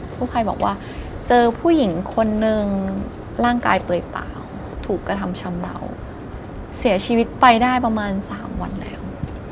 ผู้ภัยบอกว่าเจอผู้หญิงคนนึงร่างกายเปลยเปล่าถูกกระทำชำเหล่าเสียชีวิตไปได้ประมาณ๓วันแล้ว